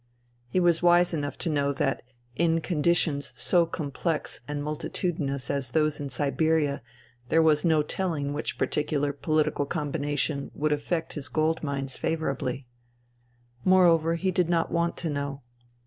He was wise enough to know that in conditions so complex and multitudinous as those in Siberia there was no telling which particular political combination would affect his gold mines favourably. Moreover, he did not want to know.